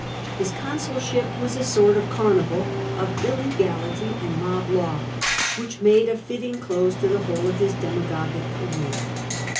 His consulship was a sort of carnival of illegality and mob law, which made a fitting close to the whole of his demagogic career.